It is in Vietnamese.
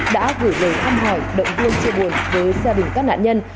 đã gửi lời hâm hỏi đợi vương chưa buồn với gia đình các nạn nhân